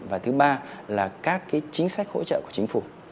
và thứ ba là các cái chính sách hỗ trợ của chính phủ